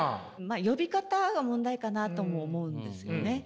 呼び方が問題かなとも思うんですよね。